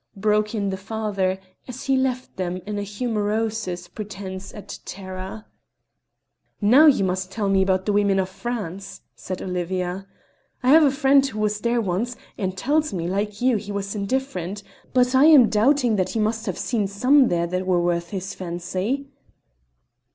broke in the father, as he left them with a humorousous pretence at terror. "Now you must tell me about the women of France," said Olivia. "I have a friend who was there once, and tells me, like you, he was indifferent; but I am doubting that he must have seen some there that were worth his fancy."